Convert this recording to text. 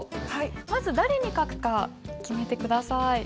まず誰に書くか決めて下さい。